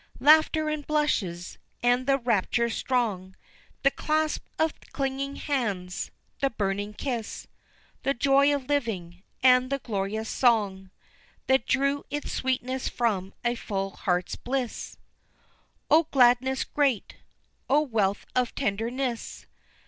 Laughter and blushes, and the rapture strong, The clasp of clinging hands, the burning kiss, The joy of living, and the glorious song That drew its sweetness from a full heart's bliss. O gladness great! O wealth of tenderness!